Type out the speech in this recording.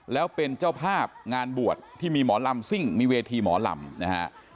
แล้วเป็นเจ้าภาพงานบวชที่มีหมอลำซิ่งมีเวทีหมอลำนะฮะ